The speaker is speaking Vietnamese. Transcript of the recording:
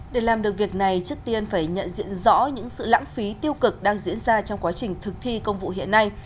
để làm được việc này trước tiên phải nhận diện rõ những sự lãng phí tiêu cực đang diễn ra trong quá trình thực thi công vụ hiện nay